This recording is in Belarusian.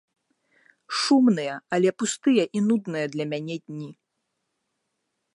Шумныя, але пустыя і нудныя для мяне дні!